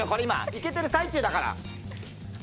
いけてる最中だから。